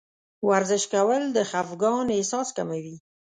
ورزش کول د خفګان احساس کموي.